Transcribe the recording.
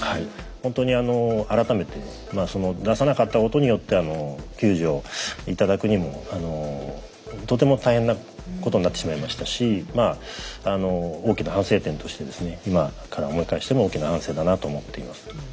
ほんとに改めて出さなかったことによって救助頂くにもとても大変なことになってしまいましたしまああの大きな反省点としてですね今から思い返しても大きな反省だなと思っています。